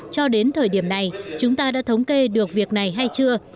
cho đến thời điểm này chúng ta đã thống kê được việc này hay chưa